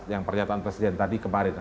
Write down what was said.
yang pernyataan presiden tadi kemarin